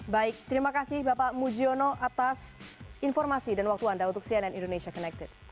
baik terima kasih bapak mujiono atas informasi dan waktu anda untuk cnn indonesia connected